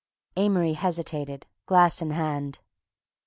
Amory hesitated, glass in hand.